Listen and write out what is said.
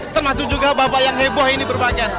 termasuk juga bapak yang heboh ini berpakaian